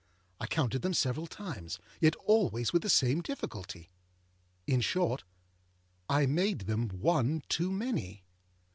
I counted them several times, yet always with the same difficulty. In short, I made them one too many.